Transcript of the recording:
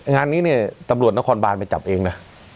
งานนี้เนี่ยตำรวจนครบานไปจับเองนะ